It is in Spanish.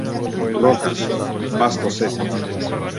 Rocas, pastos secos.